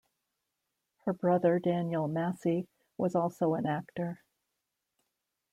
Her brother Daniel Massey was also an actor.